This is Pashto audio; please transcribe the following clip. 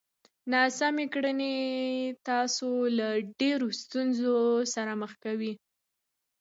ناسمې کړنې تاسو له ډېرو ستونزو سره مخ کوي!